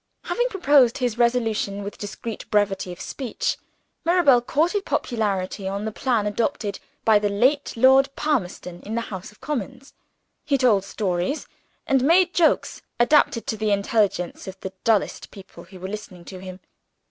Having proposed his Resolution with discreet brevity of speech, Mirabel courted popularity on the plan adopted by the late Lord Palmerston in the House of Commons he told stories, and made jokes, adapted to the intelligence of the dullest people who were listening to him.